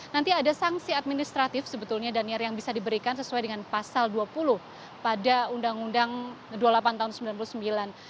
nanti ada sanksi administratif sebetulnya daniar yang bisa diberikan sesuai dengan pasal dua puluh pada undang undang dua puluh delapan tahun seribu sembilan ratus sembilan puluh sembilan